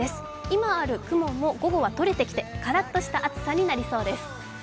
今ある雲も午後はとれてきてカラッとした暑さになりそうです。